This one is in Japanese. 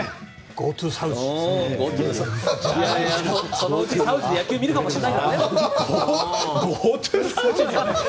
そのうちサウジで野球を見るかもしれないしね。